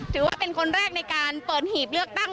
ถือว่าเป็นคนแรกในการเปิดหีบเลือกตั้ง